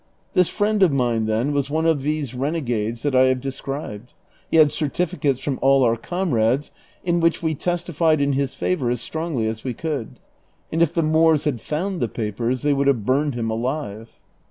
This friend of mine, then, was one of these; renegades that I have de scribed ; he had certificates from all our comrades, in which we tes tified in his favor as strongly as we could ; and if the Moors had found the j)apers they would have burned him alive.